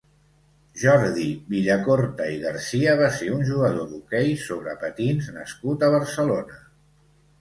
Jordi Villacorta i Garcia va ser un jugador d'hoquei sobre patins nascut a Barcelona.